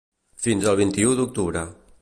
Fins al vint-i-u d’octubre.